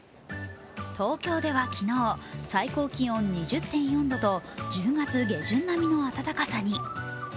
東京では昨日、最高気温２０．４度と１０月下旬並みの暖かさに。